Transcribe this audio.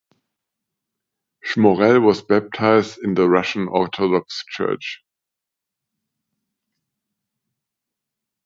Schmorell was baptised in the Russian Orthodox Church.